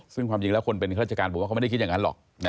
ซึ่งความจริงแหละคนเป็นคราชการก็ไม่ได้คิดอย่างนั้นหรอก